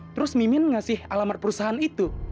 terus mimin ngasih alamat perusahaan itu